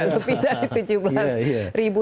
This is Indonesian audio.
lebih dari tujuh belas ribu